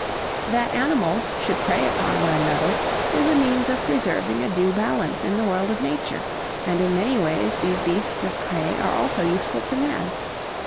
That animals should prey upon one another is a means of preserving a due balance in the world of nature, and in many ways these beasts of prey are also useful to man.